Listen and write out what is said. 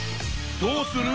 どうする？